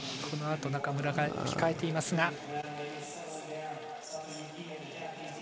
このあと中村が控えていますが。